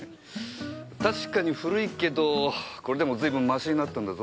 確かに古いけどこれでも随分マシになったんだぞ？